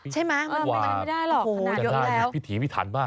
ใช่ไหมไม่ได้หรอกขนาดเยอะแล้วโอ้โหจะได้อยู่พิธีพิธรรมบ้าง